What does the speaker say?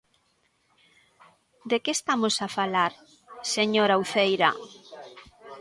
¿De que estamos a falar, señora Uceira?